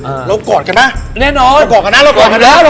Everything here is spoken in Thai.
เอาก่อยกันนะเราก่อนกันนะ